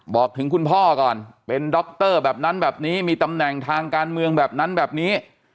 บอกถึงคุณพ่อก่อนเป็นดรแบบนั้นแบบนี้มีตำแหน่งทางการเมืองแบบนั้นแบบนี้